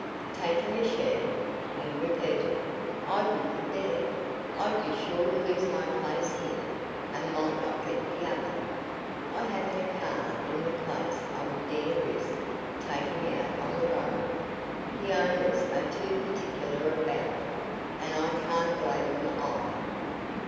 "Take a machine?" he repeated. "I wouldn't dare. I'd be sure to lose my place here, and might not get the other. I haven't a car in the place I would dare risk taking out on the road. The owners are too particular about them, and I can't blame them, either."